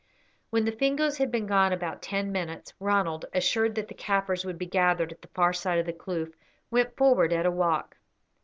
When the Fingoes had been gone about ten minutes, Ronald, assured that the Kaffirs would be gathered at the far side of the kloof, went forward at a walk.